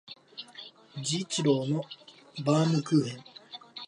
治一郎のバームクーヘン